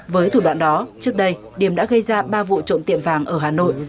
với thủ đoạn đó trước đây điểm đã gây ra ba vụ trộm tiệm vàng ở hà nội